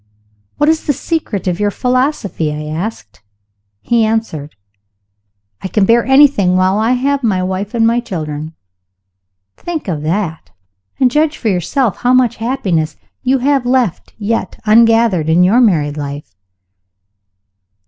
'What is the secret of your philosophy?' I asked. He answered, 'I can bear anything while I have my wife and my children.' Think of that, and judge for yourself how much happiness you may have left yet ungathered in your married life."